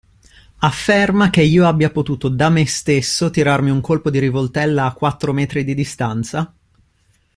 Afferma che io abbia potuto da me stesso tirarmi un colpo di rivoltella a quattro metri di distanza?